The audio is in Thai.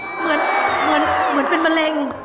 เหมือนเหมือนเป็นมะเร็ง